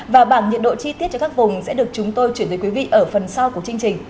và bảng nhiệt độ chi tiết cho các vùng sẽ được chúng tôi chuyển tới quý vị ở phần sau của chương trình